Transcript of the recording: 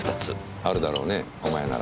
あるだろうねお前なら。